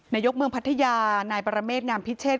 นายกเมืองพัทยานายปรเมษงามพิเชษ